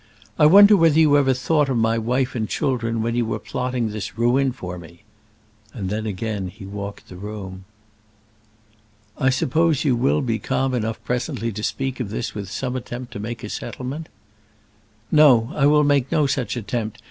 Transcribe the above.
"I wonder whether you ever thought of my wife and children when you were plotting this ruin for me!" And then again he walked the room. "I suppose you will be calm enough presently to speak of this with some attempt to make a settlement?" "No; I will make no such attempt.